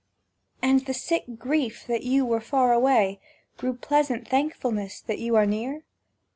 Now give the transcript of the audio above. And the sick grief that you were far away Grew pleasant thankfulness that you were near?